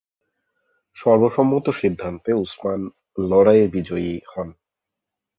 সর্বসম্মত সিদ্ধান্তে উসমান লড়াইয়ে বিজয়ী হন।